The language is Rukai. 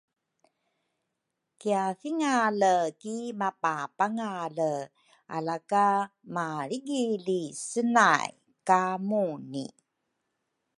kiathingale ki mapapangale alaka malrigili senay ka Muni.